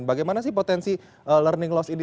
bagaimana sih potensi learning loss ini